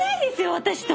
私と。